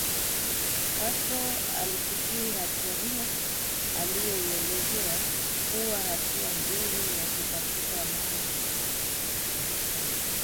Castro aliafiki hatua hiyo aliyoielezea kuwa hatua nzuri ya kutafuta mani ya kikanda